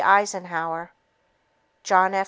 Eisenhower, John F.